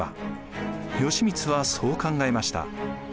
義満はそう考えました。